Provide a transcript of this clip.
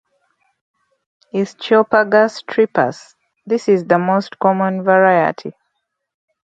Ischiopagus Tripus: This is the most common variety.